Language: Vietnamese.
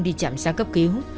đi chạm xá cấp cứu